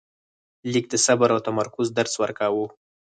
لیک د صبر او تمرکز درس ورکاوه.